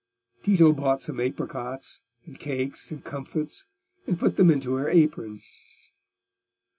Tito bought some apricots, and cakes, and comfits, and put them into her apron.